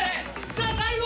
さあ最後！